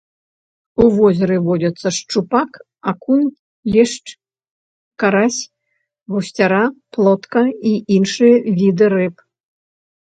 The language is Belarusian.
У возеры водзяцца шчупак, акунь, лешч, карась, гусцяра, плотка і іншыя віды рыб.